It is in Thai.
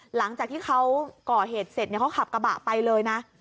หลังจากที่เขาก่อเหตุเสร็จเขาขับกระบะไปเลยนะ